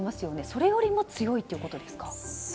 それよりも強いということですか？